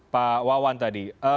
pak wawan tadi